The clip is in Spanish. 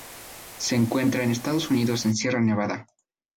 Se encuentra en Estados Unidos en Sierra Nevada.